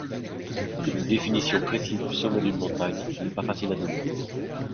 Une définition précise du sommet d'une montagne n'est pas facile à donner.